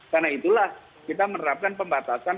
karena itulah kita menerapkan pembatasan